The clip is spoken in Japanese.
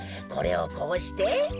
これをこうして。